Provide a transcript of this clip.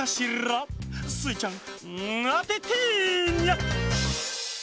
スイちゃんあててニャ！